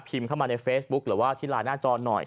เข้ามาในเฟซบุ๊คหรือว่าที่ไลน์หน้าจอหน่อย